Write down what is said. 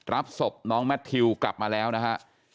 รับศพน้องแมททิวกลับมาแล้วนะฮะ